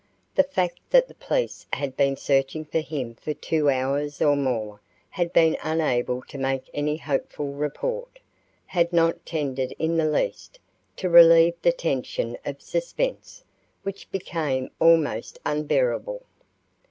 The fact that the police had been searching for him for two hours or more and had been unable to make any hopeful report, had not tended in the least to relieve the tension of suspense, which became almost unbearable.